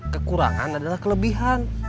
kekurangan adalah kelebihan